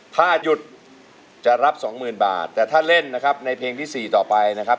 ถ้าหยุดจะรับสองหมื่นบาทแต่ถ้าเล่นนะครับในเพลงที่๔ต่อไปนะครับ